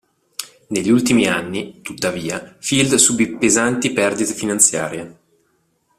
Negli ultimi anni, tuttavia, Field subì pesanti perdite finanziarie.